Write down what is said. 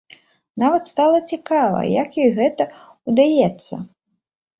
Нават стала цікава, як ёй гэта ўдаецца?